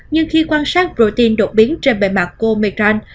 nhưng khi quan sát protein đột biến trên bề mặt của omicron